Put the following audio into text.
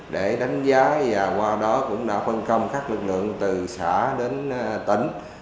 để đánh giá và qua đó cũng đã phân công các lực lượng từ xã đến tỉnh